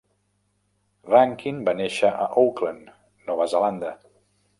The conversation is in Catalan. Rankin va néixer a Auckland, Nova Zelanda.